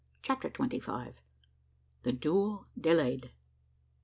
CHAPTER TWENTY FIVE. THE DUEL DELAYED.